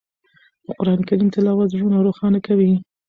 د قرآن کریم تلاوت زړونه روښانه کوي.